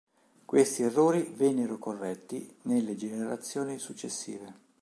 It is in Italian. Questi errori vennero corretti nelle generazioni successive.